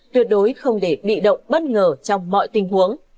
tuyệt đối không để bị động bất ngờ trong mọi tình huống